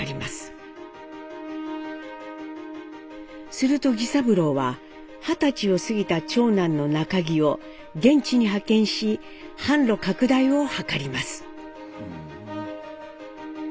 すると儀三郎は二十歳を過ぎた長男の中儀を現地に派遣し販路拡大を図ります。